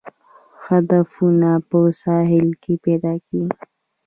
صدفونه په ساحل کې پیدا کیږي